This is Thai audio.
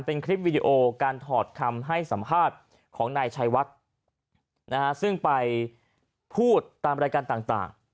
เป็นคลิปวีดีโอการถอดคำให้สัมภาษณ์ของนายชัยวัดซึ่งไปพูดตามรายการต่าง